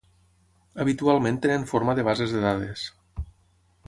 Habitualment tenen forma de bases de dades.